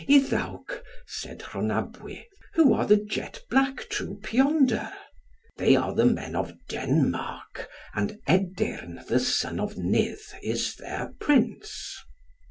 "Iddawc," said Rhonabwy, "who are the jet black troop yonder?" "They are the men of Denmark, and Edeyrn the son of Nudd is their prince."